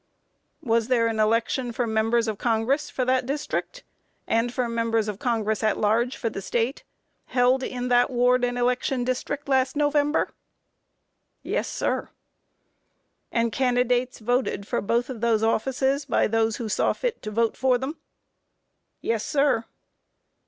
Was there an election for Members of Congress for that district, and for Members of Congress at Large for the State, held in that ward and election district, last November? A. Yes, sir. Q. And candidates voted for both of those officers by those who saw fit to vote for them? A. Yes, sir.